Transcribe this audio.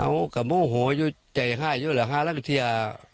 เอาก็โมโหอยู่ใจไห้อยู่แหละราตเซีย